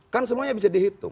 kan semuanya bisa dihitung